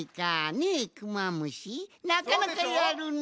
ねえクマムシなかなかやるな。